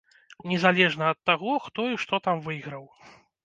Незалежна ад таго, хто і што там выйграў.